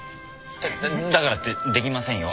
だからってできませんよ